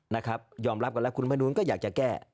นะครับยอมรับกันแล้วคุณมนูลก็อยากจะแก้